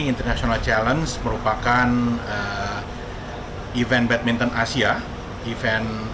international challenge merupakan event badminton asia event